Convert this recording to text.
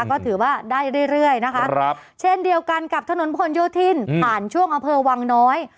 ก็ถือว่าได้เรื่อยนะคะเช่นเดียวกันกับถนนพลโยธินผ่านช่วงอำเภอวังน้อย